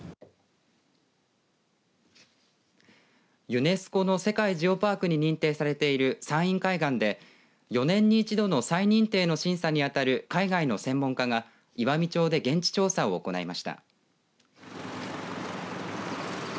ユネスコの世界ジオパークに認定されている山陰海岸で４年に１度の再認定の審査に当たる海外の専門家が岩美町で現地調査を行いました。